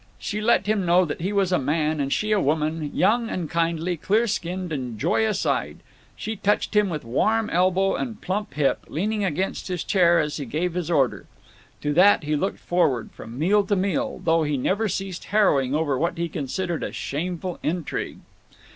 She let him know that he was a man and she a woman, young and kindly, clear skinned and joyous eyed. She touched him with warm elbow and plump hip, leaning against his chair as he gave his order. To that he looked forward from meal to meal, though he never ceased harrowing over what he considered a shameful intrigue.